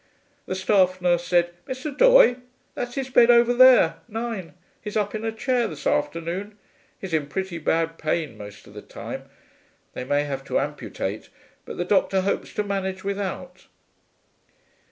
The staff nurse said, 'Mr. Doye? That's his bed over there nine. He's up in a chair this afternoon. He's in pretty bad pain most of the time. They may have to amputate, but the doctor hopes to manage without.'